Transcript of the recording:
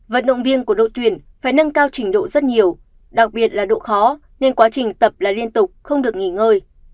vận động viên của đội tuyển phải nâng cao trình độ rất nhiều đặc biệt là độ khó nên quá trình tập là liên tục không được nghỉ ngơi